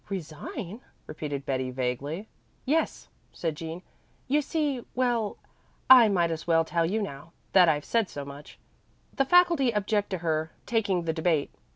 "Resign?" repeated Betty vaguely. "Yes," said Jean. "You see well, I might as well tell you now, that I've said so much. The faculty object to her taking the debate.